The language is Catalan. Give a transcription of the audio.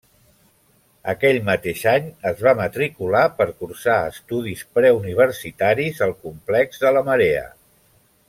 Aquell mateix any, es va matricular per cursar estudis preuniversitaris al Complex de la Marea.